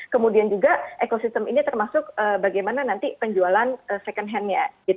kemudian juga ekosistem ini termasuk bagaimana nanti penjualan second hand nya